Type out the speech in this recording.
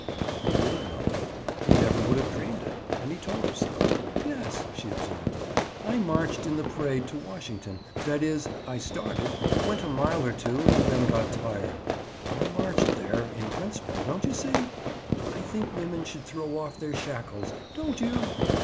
He didn't know it. He never would have dreamed it, and he told her so. "Yes," she observed, "I marched in the parade to Washington. That is, I started, went a mile or two, and then got tired. But I marched there, in principle, don't you see? I think women should throw off their shackles. Don't you?"